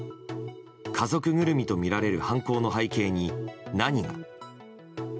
家族ぐるみとみられる犯行の背景に、何が。